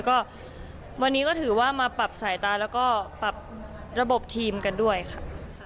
ก็วันนี้ก็ถือว่ามาปรับสายตาแล้วก็ปรับระบบทีมกันด้วยค่ะ